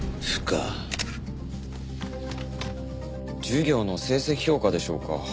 授業の成績評価でしょうか。